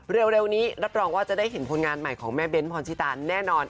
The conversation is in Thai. เร็วนี้รับรองว่าจะได้เห็นผลงานใหม่ของแม่เบ้นพรชิตาแน่นอน